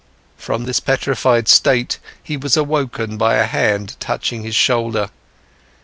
From this petrified state, he was awoken by a hand touching his shoulder.